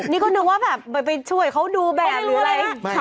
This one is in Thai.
นี่ก็นึกว่าแบบไปช่วยเขาดูแบบหรืออะไร